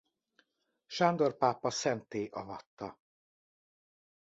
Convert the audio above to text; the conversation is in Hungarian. Sándor pápa szentté avatta.